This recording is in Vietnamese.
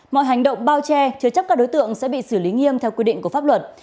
mọi hành động bao che chứa chấp các đối tượng sẽ bị xử lý nghiêm theo quy định của pháp luật